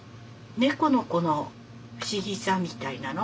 猫のこの不思議さみたいなの。